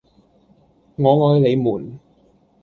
我愛你們